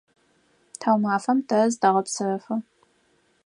Тхьаумафэм тэ зытэгъэпсэфы.